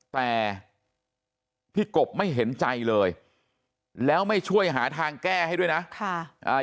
แต่พี่กบไม่เห็นใจเลยแล้วไม่ช่วยหาทางแก้ให้ด้วยนะค่ะอ่า